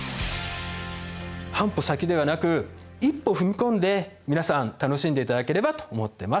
半歩先ではなく一歩踏み込んで皆さん楽しんでいただければと思ってます。